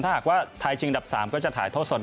ถ้าหากว่าไทยชิงดับ๓ก็จะถ่ายทอดสด